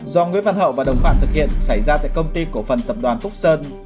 do nguyễn văn hậu và đồng phạm thực hiện xảy ra tại công ty cổ phần tập đoàn phúc sơn